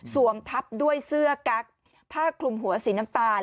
ทับด้วยเสื้อกั๊กผ้าคลุมหัวสีน้ำตาล